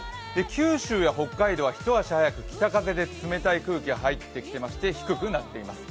九州や北海道は一足先に北風で冷たい空気が入ってきていまして低くなっています。